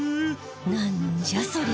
なんじゃそりゃ。